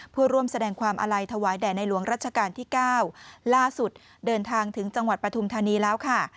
เพื่อร่วมแสดงความอาลัยถวายแด่ในหลวงรัชกาลที่เก้าล่าสุดเดินทางถึงจังหวัดปฐุมธานีแล้วค่ะ